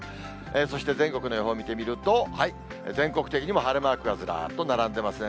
そして全国の予報見てみると、全国的にも晴れマークがずらっと並んでますね。